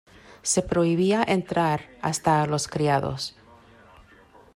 Se prohibía entrar hasta a los criados.